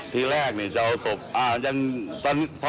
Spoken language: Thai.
ที่แรกจะเอาศพยาบะ